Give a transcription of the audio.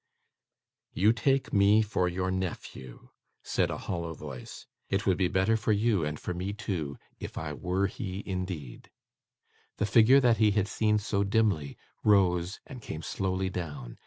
'You take me for your nephew,' said a hollow voice; 'it would be better for you, and for me too, if I were he indeed.' The figure that he had seen so dimly, rose, and came slowly down.